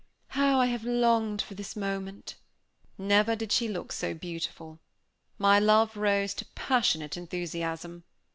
how I have longed for this moment!" Never did she look so beautiful. My love rose to passionate enthusiasm.